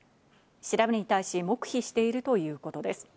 調べに対し黙秘しているということです。